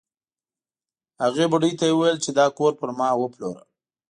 هغې بوډۍ ته یې وویل چې دا کور پر ما وپلوره.